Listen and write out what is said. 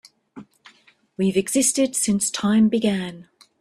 We've existed since time began.